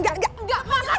enggak enggak makasih vicky